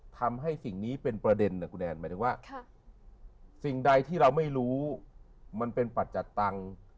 ทำให้สิ่งนี้เป็นประเด็นนะคุณแอนหมายถึงว่าสิ่งใดที่เราไม่รู้มันเป็นปัจจัดตังค์